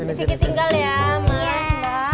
mas iki tinggal ya mas